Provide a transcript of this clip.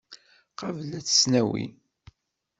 Qabel ad tt-nawi.